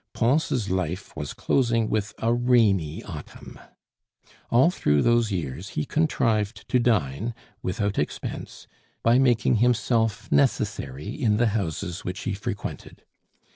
Pons' life was closing with a rainy autumn. All through those years he contrived to dine without expense by making himself necessary in the houses which he frequented.